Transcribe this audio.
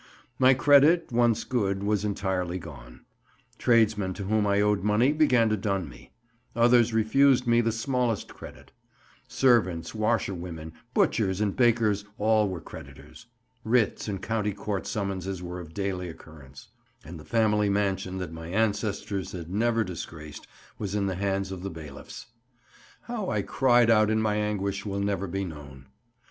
My credit, once good, was entirely gone; tradesmen to whom I owed money began to dun me; others refused me the smallest credit; servants, washerwomen, butchers, and bakers all were creditors; writs and County Court summonses were of daily occurrence; and the family mansion that my ancestors had never disgraced was in the hands of the bailiffs. How I cried out in my anguish will never be known.